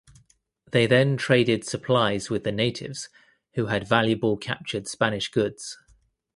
They then traded supplies with the natives who had valuable captured Spanish goods.